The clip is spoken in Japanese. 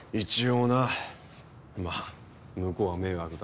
まあ向こうは迷惑だろうが。